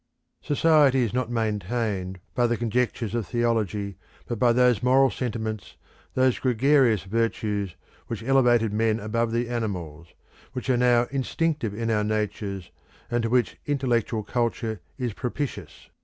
Society is not maintained by the conjectures of theology, but by those moral sentiments, those gregarious virtues, which elevated men above the animals, which are now instinctive in our natures, and to which intellectual culture is propitious.